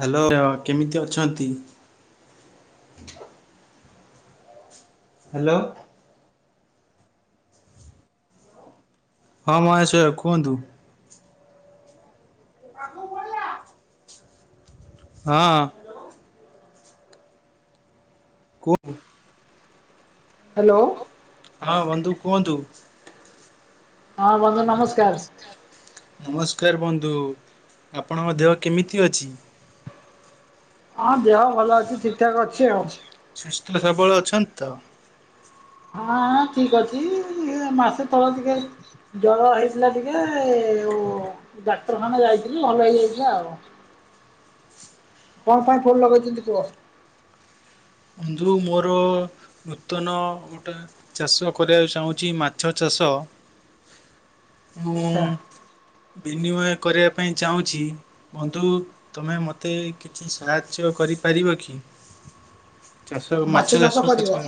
Hello କେମିତି ଅଛନ୍ତି? Hello. ହଁ ମହାଶୟ କୁହନ୍ତୁ। ମାମୁଁ ଗଲା। ହଁ। କୁହ। ହ୍ୟାଲୋ। ହଁ ବନ୍ଧୁ କୁହନ୍ତୁ। ହଁ ବନ୍ଧୁ ନମସ୍କାର। ନମସ୍କାର ବନ୍ଧୁ ଆପଣଙ୍କ ଦେହ କେମିତି ଅଛି। ହଁ ଦେହ ଭଲ ଅଛି ଠିକ ଠାକ୍ ଅଛି ଆଉ। ସୁସ୍ଥ ସବଳ ଅଛନ୍ତି ତ। ହଁ ଠିକ ଅଛି ମାସେ ତଳ ଟିକେ ଜର ହେଇଥିଲା ଟିକେ ଡାକ୍ତରଖାନା ଯାଇଥିଲି ଭଲ ହେଇଯାଇଥିଲା ଆଉ। କଣ ପାଇଁ ଫୁନ ଲଗେଇଛନ୍ତି କୁହ? ବନ୍ଧୁ ମୋର ନୂତନ ଗୋଟେ ଚାଷ କରିବାକୁ ଚାହୁଁଚି ମାଛ ଚାଷ। ମୁଁ ଆଚ୍ଛା ବିନିମୟ କରିବା ପାଇଁ ଚାହୁଁଚି। ବନ୍ଧୁ ତମେ ମୋତେ କିଛି ସାହାଯ୍ୟ କରିପାରିବ କି? ଚାଷ ମାଛ ଚାଷ କେତେ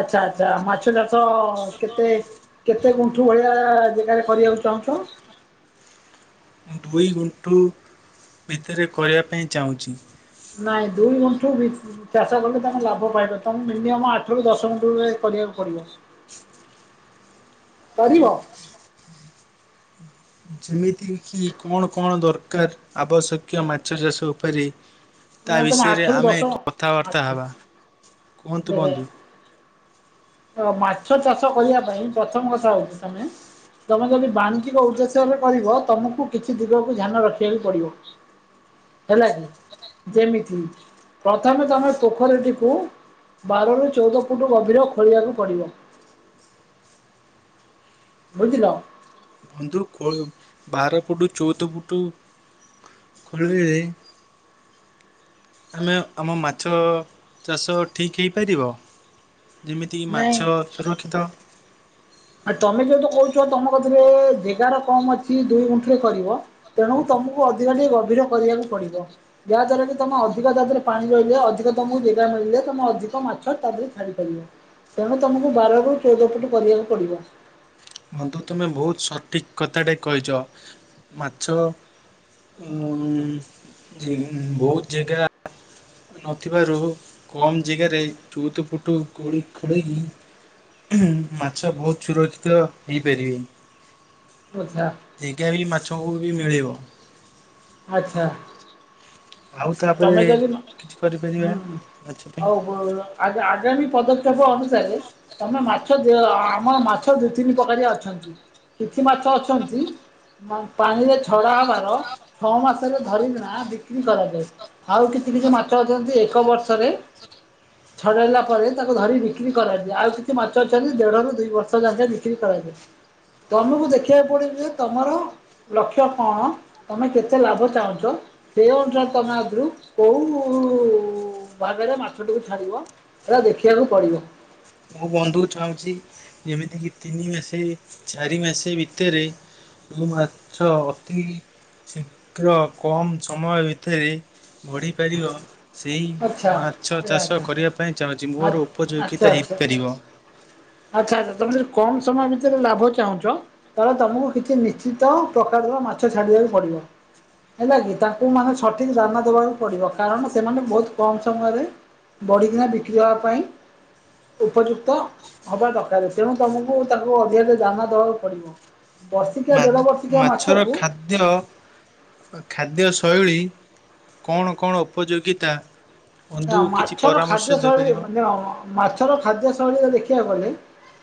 ଆଚ୍ଛା ଆଚ୍ଛା ମାଛ ଚାଷ କେତେ କେତେ ଗୁଣ୍ଠୁ ଭଳିଆ ଜାଗାରେ କରିବାକୁ ଚାହୁଁଚ? ମୁଁ ଦୁଇ ଗୁଣ୍ଠୁ ଭିତରେ କରିବା ପାଇଁ ଚାହୁଁଚି। ନାଇଁ ଦୁଇ ଗୁଣ୍ଠୁ ଭି ଚାଷ କଲେ ତମେ ଲାଭ ପାଇବ ତମେ ମିନିମମ୍ ଆଠ ରୁ ଦଶ ଗୁଣ୍ଠୁ ରେ କରିବାକୁ ପଡିବ। କରିବ। ଯେମିତି କିି କଣ କଣ ଦରକାର ଆବଶ୍ୟକୀୟ ମାଛ ଚାଷ ଉପରେ? ତା ନା ତମେ ବିଷୟରେ ଆଠରୁ ଆମେ ଦଶ କଥାବାର୍ତ୍ତା ଆଚ୍ଛା ହେବା ଆଚ୍ଛା କୁହନ୍ତୁ ବନ୍ଧୁ? ଦେଖ ମାଛ ଚାଷ କରିବା ପାଇଁ ପ୍ରଥମ କଥା ହଉଚି ତମେ ତମେ ଯଦି ବାଣିଚିକ ଉଦ୍ଦେଶ୍ୟରେ କରିବ ତମକୁ କିଛି ଦିଗକୁ ଧ୍ୟାନ ରଖିବାକୁ ପଡିବ। ହେଲା କି ଯେମିତି ପ୍ରଥମେ ତମେ ପୋଖରୀଟିକୁ ବାର ରୁ ଚଉଦ ଫୁଟ ଗଭୀର ଖୋଳିବାକୁ ପଡିବ। ବୁଝିଲ। ବନ୍ଧୁ ଖୋ ବାର ଫୁଟୁ ଚଉଦ ଫୁଟୁ ଖୋଳିଲେ। ଆମେ ଆମ ମାଛ ଚାଷ ଠିକ୍ ହେଇପାରିବ। ଯେମିତି କି ନାଇଁ ମାଛ ସୁରକ୍ଷିତ। ଆ ତମେ ଯୋଉତ କହୁଚ ତମ କତିରେ ଜେଗାର କମ ଅଛି ଦୁଇ ଗୁଣ୍ଠିରେ କରିବ। ତେଣୁ ତମକୁ ଅଧିକ ଟିକେ ଗଭୀର କରିବାକୁ ପଡିବ। ଯାହାଦ୍ଵାରା କି ତମେ ଅଧିକ ତା ଦେହରେ ପାଣି ରହିଲେ ଅଧିକ ତମକୁ ଜାଗା ମିଳିଲେ ତମେ ଅଧିକ ମାଛ ତା ଦେହରେ ଛାଡିପାରିବ। ତେଣୁ ତମକୁ ବାର ରୁ ଚଉଦ ଫୁଟ କରିବାକୁ ପଡିବ। ବନ୍ଧୁ ତମେ ବହୁତ ସଠିକ କଥାଟେ କହିଛ ମାଛ ଉ ବହୁତ ଜାଗା ନଥିବାରୁ କମ୍ ଜାଗାରେ ଚଉଦ ଫୁଟୁ ଗୋଳି ଖୋଡ଼େଇି [inaudible] ମାଛ ବହୁତ ସୁରକ୍ଷିତ ହେଇପାରିବେ। ଆଚ୍ଛା। ଜ୍ୟଗା ବି ମାଛକୁ ବି ମିଳିବ। ଆଚ୍ଛା। ଆଉ ତାପରେ ତମେ ଯଦି ନ କିଛି କରିପାରିବା ହୁଁ ମାଛ ପାଇଁ ଆଉ ଆ ଆଗାମୀ ପଦକ୍ଷେପ ଅନୁସାରେ ତମେ ମାଛ ଆମର ମାଛ ଦୁଇ ତିନି ପ୍ରକାରିଆ ଅଛନ୍ତି କିଛି ମାଛ ଅଛନ୍ତି। ପାଣିରେ ଛଡ଼ା ହବାର ଛଅ ମାସରେ ଧରିିକିନା ବିକ୍ରି କରାଯାଏ। ଆଉ କିଛି କିଛି ମାଛ ଅଛନ୍ତି ଏକ ବର୍ଷରେ ହଁ ଛଡ଼ାଇଲା ପରେ ତାକୁ ଧରି ବିକ୍ରି କରାଯାଏ ଆଉ କିଛି ମାଛ ଅଛନ୍ତି ଦେଢ଼ରୁ ଦୁଇ ବର୍ଷ ଯାକେ ବିକ୍ରି କରାଯାଏ। ତମକୁ ଦେଖିବାକୁ ପଡିବ ଯେ ତମର ଲକ୍ଷ୍ୟ କଣ ତମେ କେତେ ଲାଭ ଚାହୁଁଛ ସେ ଅନୁସାରେ ତମେ ଆ କୁ କୋଉ ଭାଗରେ ମାଛଟିକୁ ଛାଡିବ ହେରା ଦେଖିବାକୁ ପଡିବ। ମୁଁ ବନ୍ଧୁକୁ ଚାହୁଁଛି ଯେମିତିକିି ତିନି ମାସେ ଚାରି ମାସେ ଭିତେରେ। ମୁଁ ମାଛ ଅତି। ଶୀଘ୍ର କମ୍ ସମୟ ଭିତେରେ ବଢିପାରିବ। ସେଇ ଆଚ୍ଛା ମାଛ ଚାଷ ଆଚ୍ଛା କରିବା ପାଇଁ ଚାହୁଁଛି ମୋର ଆଚ୍ଛା ଆଚ୍ଛା ଉପଯୋଗିତା ହେଇପାରିବ। ଆଚ୍ଛା ଆଚ୍ଛା ତମେ ଯଦି କମ ସମୟ ଭିତେରେ ଲାଭ ଚାହୁଁଚ। ତାହେଲେ ତମୁକୁ କିଛି ନିଶ୍ଚିତ ପ୍ରକାରର ମାଛ ଛାଡିବାକୁ ପଡିବ। ହେଲା କିି ତାଙ୍କୁ ମାନେ ସଠିକ୍ ଦାନା ଦେବାକୁ ପଡ଼ିବ କାରଣ ସେମାନେ ବହୁତ। କମ୍ ସମୟରେ ବଢ଼ିକିନା ବିକ୍ରି ହେବା ପାଇଁ। ଉପଯୁକ୍ତ ହବା ଦରକାରେ ତେଣୁ ତମୁକୁ ତାଙ୍କୁ ଅଧିକ ଟିକେ ଦାନା ଦେବାକୁ ପଡିବ। ବର୍ଷିକିଆ ମା ଦେଢ଼ ବ ମାଛର ଖାଦ୍ୟ। ବା ଖାଦ୍ୟଶୈଳୀ କଣ କଣ ଉପଯୋଗିତା। ବନ୍ଧୁ ଦେଖ କିଛି ମାଛର ପରାମର୍ଶ ଖାଦ୍ୟ ଶୈଳୀ ଦେଇପାରିବ? ମାନେ ମାଛର ଖାଦ୍ୟ ଶୈଳୀରେ ଦେଖିବାକୁ ଗଲେ।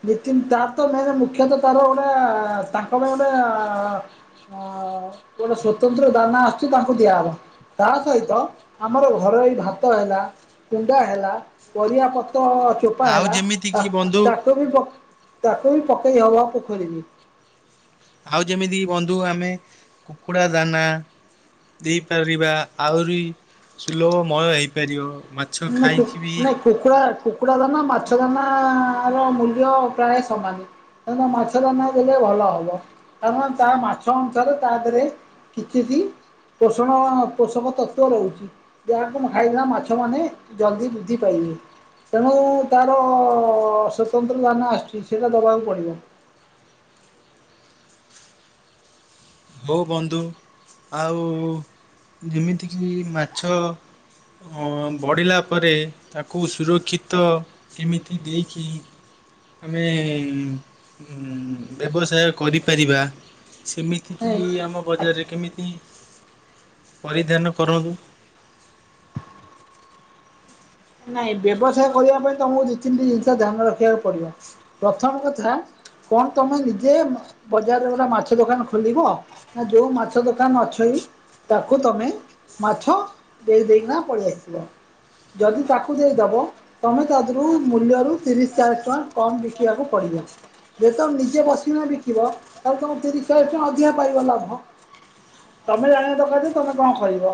ନୀତିନ ତାର ତ ମ ମୁଖ୍ୟତଃ ତାର ଗୋଟେ ତାଙ୍କ ପାଇଁ ଗୋଟେ। ଅ ଗୋଟେ ସ୍ଵତନ୍ତ୍ର ଦାନା ଆସୁଛି ତାଙ୍କୁ ଦିଆହବ। ତା ସହିତ ଆମର ଘରେ ଏଇ ଭା ତ ହେଲା କୁଣ୍ଡା ହେଲା ପରିବା ପତ୍ର। ଚୋପା ଆଉ ହେଲା ଯେମିତି କିି ବନ୍ଧୁ ତାକ ତାକୁ ବି ପ ତାକୁ ବି ପକେଇହବ ପୋଖରୀକୁ। ଆଉ ଯେମିତି ବନ୍ଧୁ ଆମେ କୁକୁଡ଼ା ଦାନା। ଦେଇପାରିବା ଆହୁରି ସୁଲଭମୟ ହେଇପାରିବ ନେତୁ ଖାଇକି ବି ନେ କୁକୁଡ଼ା କୁକୁଡ଼ା ଦାନା ମାଛ ଦାନାର ମୂଲ୍ୟ ପ୍ରାଏ ସମାନେ। ତମେ ମାଛଦାନା ଦେଲେ ଭଲ ହବ କାରଣ ତା ମାଛ ଅନୁସାରେ ତା ଦେହରେ। କିଛି କି ପୋଷଣ ପୋଷକତତ୍ଵ ରହୁଛି। ଯାହାକୁ ମୁ ଖାଇଗଲା ମାଛ ମାନେ ଜଲଦି ବୃଦ୍ଧି ପାଇବେ। ତେଣୁ ତାର ସ୍ୱତନ୍ତ୍ର ଦାନା ଆସୁଛି ସେଇଟା ଦବାକୁ ପଡ଼ିବ। ହଉ ବନ୍ଧୁ ଆଉ ଯେମିତିକି ମାଛ। ବଢ଼ିଲା ପରେ ତାକୁ ସୁରକ୍ଷିତ। କେମିତି ଦେଖେ। ଆମେ ବ୍ୟବସାୟ କରିପାରିବା ସେମି ତିକି ଆମ ନାଇଁ ବଜାରରେ କେମିତି ପରିଧ୍ୟାନ କରନ୍ତୁ। ନାଇଁ ବ୍ୟବସାୟ କରିବାପାଇଁ ତମୁକୁ ଦିଇ ତିନଟି ଜିନିଷ ଧ୍ୟାନ ରଖିବାକୁ ପଡିବ ପ୍ରଥମ କଥା। କଣ ତମେ ନିଜେ ବଜାରରେ ଗୋଟେ ମାଛ ଦୋକାନ ଖୋଲିବ? ନା ଯୋଉ ମାଛ ଦୋକାନ ଅଛଇ। ତାକୁ ତମେ ମାଛ ଦେଇ ଦେଇକିନା ପଳେଇଆସିବ ଯଦି। ତାକୁ ଦେଇଦବ ତମେ ତାଥୁରୁ ମୂଲ୍ୟରୁ ତିରିଶ ଚାଳିଶ ଟଙ୍କା କମ୍ ବିକିବାକୁ ପଡ଼ିବ। ଯଦି ତମେ ନିଜେ ବସିକିନା ବିକିବ ତାହେଲେ ତୁମେ ତିରିଶ ଚାଳିଶ ଟଙ୍କା ଅଧିକା ପାଇବ ଲାଭ। ତମେ ଜାଣିବା ଦରକାର ଯେ ତମେ କଣ କରିବ।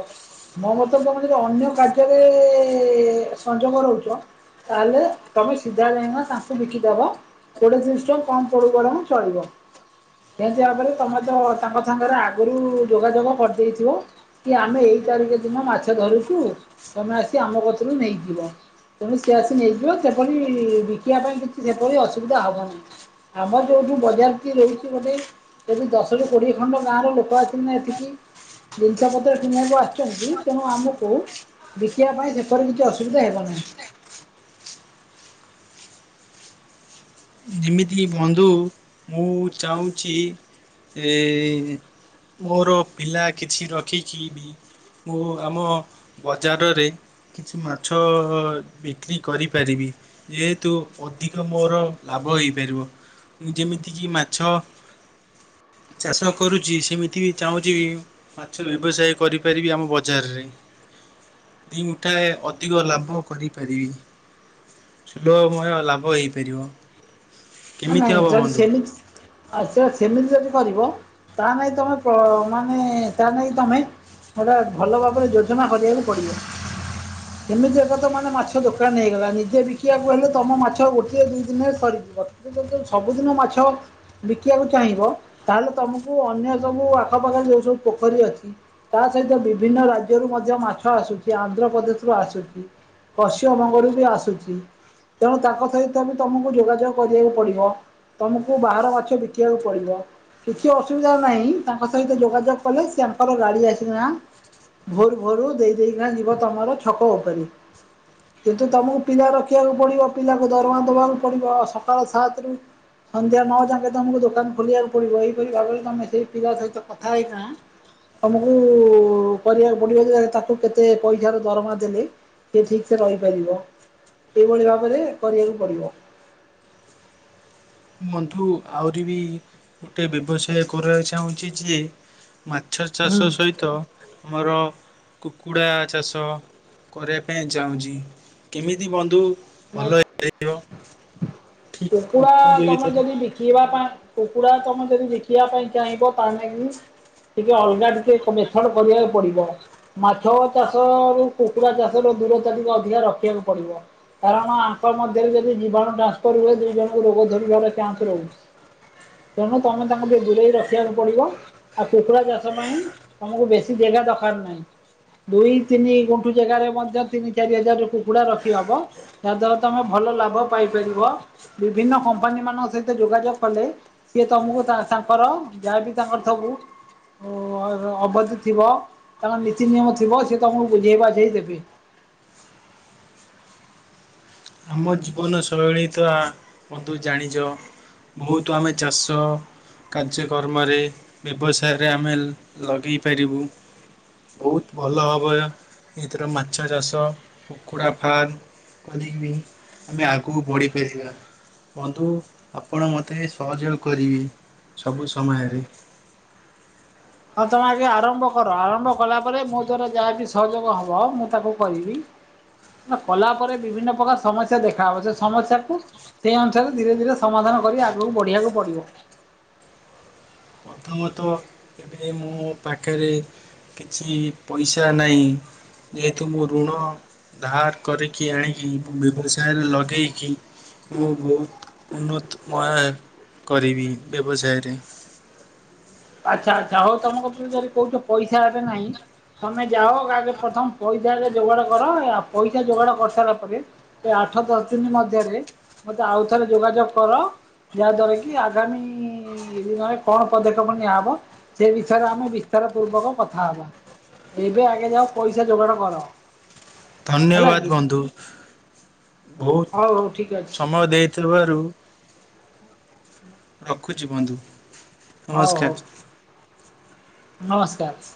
ମୋ ମତରେ ତମେ ଅନ୍ୟକାର୍ଯ୍ୟରେ ସଂଯୋଗ ରହୁଛ। ତାହେଲେ ତମେ ସିଧା ଯାଇଁକିନା ତାଙ୍କୁ ବିକିଦବ। କୋଡିଏ ତିରିଶ ଟଙ୍କା କମ ପଡୁ ବରଂ ଚଳିବ। ସେନ୍ତି ଭାବରେ ତମେ ତ ତାଙ୍କ ସାଙ୍ଗରେ ଆଗୁରୁ ଯୋଗାଯୋଗ କରଦେଇଥିବ। କି ଆମେ ଏଇ ତାରିଖ ଦିନ ମାଛ ଧରୁଚୁ ତମେ ଆସି ଆମ କତିରୁ ନେଇ ତେଣୁ ସିଏ ଆସି ନେଇଯିବ ସେଭଳି ବିକିବା ପାଇଁ କିଛି ସେଭଳି ଅସୁବିଧା ହବ ନାହିଁ। ଆମ ଯୋଉଠୁ ବଜାର ଟି ରହୁଛି ଗୋଟେ ଯଦି ଦଶରୁ କୋଡିଏ ଖଣ୍ଡ ଗାଁ ର ଲୋକ ଆଛନ୍ତି ନା ଏଠିକି ଜିନିଷ ପତ୍ର କିଣିବାକୁ ଆସୁଛନ୍ତି ତେଣୁ ଆମକୁ ବିକିବା ପାଇଁ ସେପରି କିଛି ଅସୁବି ସୁବିଧା ହେବ ନାହିଁ। ଯେମିତି ବନ୍ଧୁ ମୁଁ ଚାହୁଁଛି ମୋର ପିଲା କିଛି ରଖିକି ବି ମୁଁ ଆମ ବଜାରରେ କିଛି ମାଛ ବିକ୍ରି କରିପାରିବି ଯେହେତୁ ଅଧିକ ମୋର ଲାଭ ହେଇପାରିବ ଯେମିତିକି ମାଛ ଚାଷ କରୁଛି ସେମିତି ବି ଚାହୁଁଛି ବି ମାଛ ବ୍ୟବସାୟ କରିପାରିବି ଆମ ବଜାରରେ। ଦୁଇ ମୁଠାଏ ଅଧିକ ଲାଭ କରିପାରିବି। ସୁଲଭମୟ ଲାଭ ହେଇପାରିବ। କେମିତି ନାଇଁ ହବ ଜର ବନ୍ଧୁ? ସେମିକ [inaudible] ଆ ସେଟା ସେମିତି ଯଦି କରିବ ତା ନହି ତମେ ମାନେ ତା ନାଇ ତମେ ଗୋଟା ଭଲ ଭାବରେ ଯୋଜନା କରିବାକୁ ପଡିବ। ହ ଏମିତି ଏଟା ତ ମାନେ ମାଛ ଦୋକାନ ହେଇଗଲା ନିଜେ ବିକିବାକୁ ହେଲେ ତମ ମାଛ ଗୋଟିଏ ଦୁଇ ଦିନରେ ସରିଯିବ। ସବୁଦିନ ମାଛ ବିକିବାକୁ ଚାହିଁବ ତାହେଲେ ତମକୁ ଅନ୍ୟ ସବୁ ଆଖପାଖରେ ଯୋଉ ସବୁ ପୋଖରୀ ଅଛି। ତା ସହିତ ବିଭିନ୍ନ ରାଜ୍ୟରୁୁ ମଧ୍ୟ ମାଛ ଆସୁଛି ଆନ୍ଧ୍ରପ୍ରଦେଶରୁୁ ଆସୁଛି। ପଶ୍ଚିମବଙ୍ଗରୁ ବି ଆସୁଛି ତେଣୁ ତାଙ୍କ ସହିତ ବି ତମକୁ ଯୋଗାଯୋଗ କରିବାକୁ ପଡିବ ତମକୁ ବାହାର ମାଛ ବିକିବାକୁ ପଡିବ। କିଛି ଅସୁବିଧା ନାହିଁ ତାଙ୍କ ସହିତ ଯୋଗାଯୋଗ କଲେ ସେ ତାଙ୍କର ଗାଡି ଆସିକି ନା ଭୋରୁ ଭୋରୁ ଦେଇ ଦେଇକିନା ଯିବ ତମର ଛକ ଉପରେ। କିନ୍ତୁ ତମକୁ ପିଲା ରଖିବାକୁ ପଡିବ ପିଲାକୁ ଦରମା ଦବାକୁ ପଡିବ ସକାଳ ସାତ ରୁ ସନ୍ଧ୍ୟା ନଅ ଯାକେ ତମକୁ ଦୋକାନ ଖୋଲିବାକୁ ପଡିବ ଏହିପରି ଭାବରେ ତମେ ସେଇ ପିଲା ସହିତ କଥା ହେଇକିନା ତମକୁ କରିବାକୁ ପଡିବ ଯେ ତାକୁ କେତେ ପଇସା ର ଦରମା ଦେଲେ ସେ ଠିକ୍ ସେ ରହିପାରିବ ଏଇଭଳି ଭାବରେ କରିବାକୁ ପଡିବ। ବନ୍ଧୁ ଆହୁରି ବି ଗୋଟେ ବ୍ୟବସାୟ କରିବାକୁ ଚାହୁଁଛି ଯେ ମାଛ ହୁଁ ଚାଷ ସହିତ ଆମର କୁକୁଡ଼ା ଚାଷ। କରିବା ପାଇଁ ଚାହୁଁଛି କେମିତି ବନ୍ଧୁ। ଭଲ ନାଇଁ ହେଇପାରିବ ଠିକ୍ କୁକୁଡ଼ା ତମର ଉପଯୋଗିତାରେ ଯଦି ବିକିବା ପାଇଁ କୁକୁଡା ତମର ଯଦି ବିକିବା ପାଇଁ ଚାହିଁବ ତା ଲାଗି ଟିକେ ଅଲଗା ଟିକେ ମେଥଡ କରିବାକୁ ପଡିବ। ମାଛ ଚାଷ ରୁ କୁକୁଡ଼ା ଚାଷ ର ଦୂରତା ଟିକେ ଅଧିକା ରଖିବାକୁ ପଡିବ। କାରଣ ଆଙ୍କ ମଧ୍ୟରେ ଯଦି ଜୀବାଣୁ ଟ୍ରାନ୍ସଫର ହୁଏ ଦିଇ ଜଣଙ୍କୁ ରୋଗ ଧରି ବାର ଚାନ୍ସ ରହୁଛି। ତେଣୁ ତମେ ତାଙ୍କୁ ଟିକେ ଦୂରେଇ ରଖିବାକୁ ପଡିବ। ଆଉ କୁକୁଡ଼ା ଚାଷ ପାଇଁ ତମକୁ ବେଶୀ ଜାଗା ଦରକାର ନାହିଁ। ଦୁଇ ତିନି ଗୁଣ୍ଠୁ ଜାଗାରେ ମଧ୍ୟ ତିନି ଚାରି ହଜାର କୁକୁଡା ରଖି ହବ। ଯାହା ଦ୍ଵାରା ତମେ ଭଲ ଲାଭ ପାଇପାରିବ। ବିଭିନ୍ନ କମ୍ପାନୀ ମାନଙ୍କ ସହିତ ଯୋଗାଯୋଗ କଲେ ସିଏ ତମକୁ ତାଙ୍କର ଯାହାବି ତାଙ୍କର ସବୁ ଅବଧି ଥିବ ତାଙ୍କର ନୀତି ନିିୟମ ଥିବ ସିଏ ତମକୁ ବୁଝେଇ ବାଝେଇ ଦେବେ। ଆମ ଜୀବନ ଶୈଳୀତା ବନ୍ଧୁ ଜାଣିଛ। ବହୁତ ଆମେ ଚାଷ। କାର୍ଯ୍ୟକ୍ରମରେ ବ୍ୟବସାୟରେ ଆମେ ଲଗେଇ ପାରିବୁ। ବହୁତ ଭଲ ହବ ଏଥିର ମାଛ ଚାଷ କୁକୁଡ଼ା ଫାର୍ମ କରିବେ ଆମେ ଆଗକୁ ବଢିପାରିବା। ବନ୍ଧୁ ଆପଣ ମୋତେ ସହଯୋଗ କରିବେ ସବୁ ସମୟରେ। ହଁ ତମେ ଆଜ୍ଞା ଆରମ୍ଭ କର ଆରମ୍ଭ କଲା ପରେ ମୋ ଦ୍ଵାରା ଯାହା ବିି ସହଯୋଗ ହବ ମୁଁ ତାକୁ କରିବି। କଲା ପରେ ବିଭିନ୍ନ ପ୍ରକାର ସମସ୍ୟା ଦେଖା ହବ ସେ ସମସ୍ୟାକୁ ସେହି ଅନୁସାରେ ଧୀରେ ଧୀରେ ସମାଧାନ କରି ଆଗକୁ ବଢ଼ିବାକୁ ପଡ଼ିବ। ପ୍ରଥମତଃ ଏବେ ମୁଁ ପାଖରେ କିଛି ପଇସା ନାହିଁ। ଯେହେତୁ ମୁଁ ଋଣ ଧାର କରିକି ଆଣିକି ମୁ ବ୍ୟବସାୟରେ ଲଗେଇଚି। ମୁଁ ବହୁତ ଉନ୍ନତ ମୟ କରିବି ବ୍ୟବସାୟରେ। ଆଚ୍ଛା ଆଛା ହଉ ତମ କତିରେ ଯଦି କୋଉଚ ପଇସା ଏବେ ନାହିଁ।। ତମେ ଯାଅ ଆଗେ ପ୍ରଥମ ପଇସାରେ ଯୋଗାଡ କର ଆଉ ପଇସା ଯୋଗାଡ କରିସାରିଲା ପରେ ଏ ଆଠ ଦଶ ଦିନ ମଧ୍ୟରେ ମତେ ଆଉଥରେ ଯୋଗାଯୋଗ କର ଯାହା ଦ୍ଵାରା କି ଆଗାମୀ ଦିନରେ କଣ ପଦକ୍ଷପ କ ନିଆହବ ସେ ବିଷୟରେ ଆମେ ବିସ୍ତାର ପୂର୍ବକ କଥା ହବା। ଏବେ ଆଗେ ଯାଅ ପଇସା ଯୋଗାଡ଼ କର। ହେଲା ଧନ୍ୟବାଦ କି ବନ୍ଧୁ ହଉ ବହୁତ ହଉ ଠିକ୍ ଅଛି ସମୟ ଦେଇଥିବାରୁ ରଖୁଛି ବନ୍ଧୁ। ହଉ ହଉ ନମସ୍କାର ନମସ୍କାର।